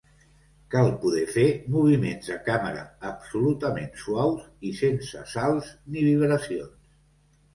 Cal poder fer moviments de càmera absolutament suaus i sense salts ni vibracions.